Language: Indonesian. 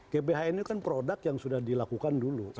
gbhn ini kan produk yang sudah dilakukan dulu